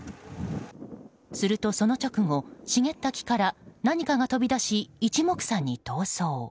すると、その直後茂った木から何かが飛び出し一目散に逃走。